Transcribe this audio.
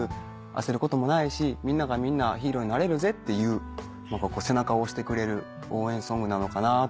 焦ることもないしみんながみんなヒーローになれるぜっていう背中を押してくれる応援ソングなのかなと思います。